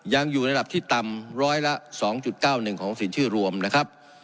ยังอยู่ในระดับที่ต่ำ๑๐๒๙๑ของศีลชื่อรวมนะครับ